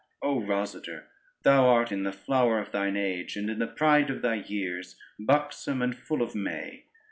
O Rosader, thou art in the flower of thine age, and in the pride of thy years, buxom and full of May.